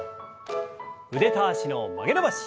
腕と脚の曲げ伸ばし。